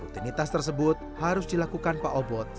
rutinitas tersebut harus dilakukan pak obok setiap hari